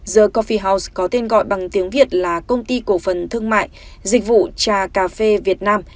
the copye house có tên gọi bằng tiếng việt là công ty cổ phần thương mại dịch vụ trà cà phê việt nam